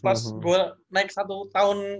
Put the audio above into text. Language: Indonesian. pas gue naik satu tahun